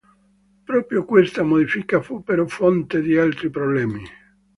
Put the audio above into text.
Proprio questa modifica fu però fonte di altri problemi.